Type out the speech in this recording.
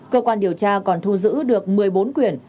cơ quan điều tra còn thu giữ được một mươi bốn quyển